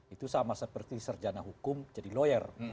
itu sama seperti serjana hukum jadi lawyer